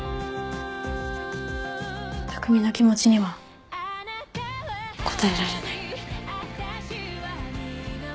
匠の気持ちには応えられない。